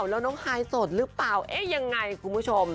แล้วน้องฮายโสดหรือเปล่าเอ๊ะยังไงคุณผู้ชม